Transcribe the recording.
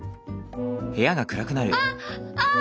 あっああ